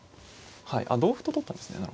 はいあっ同歩と取ったんですね。